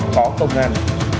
khó công an